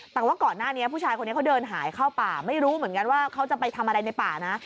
แต่ว่าก่อนหน้านี้ผู้ชายคนนี้เขาเดินหายเข้าป่าไม่รู้เหมือนกันว่าเขาจะไปทำอะไรในป่านะ